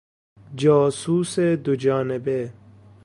جاسوس دوجانبه